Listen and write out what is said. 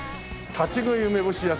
立ち喰い梅干し屋さん。